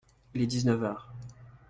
Il est dix-neuf heures.